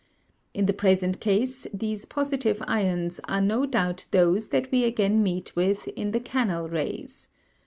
In the present case these positive ions are no doubt those that we again meet with in the canal rays.